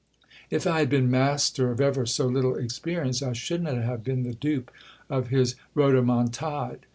If I had been master of ever so little experience, I should not have been the dupe of his rhodomon tade.